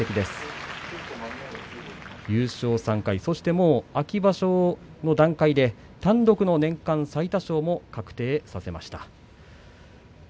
優勝３回、そして秋場所の段階で単独の年間最多勝も確定させました。